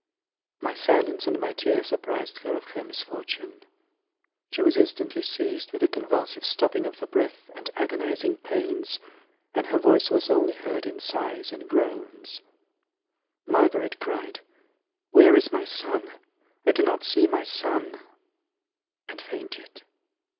My silence and my tears apprised her of her misfortune. She was instantly seized with a convulsive stopping of the breath and agonizing pains, and her voice was only heard in sighs and groans. Margaret cried, "Where is my son? I do not see my son!" and fainted.